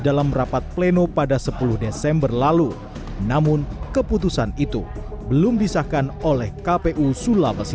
dalam rapat pleno pada sepuluh desember lalu namun keputusan itu belum disahkan oleh kpu sulawesi